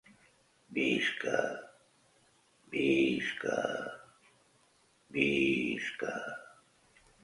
Visca visca visca!